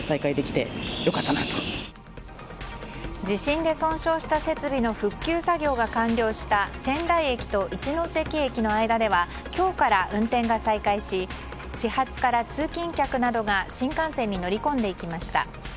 地震で損傷した設備の復旧作業が完了した仙台駅と一ノ関駅の間では今日から運転が再開し始発から通勤客などが新幹線に乗り込んでいきました。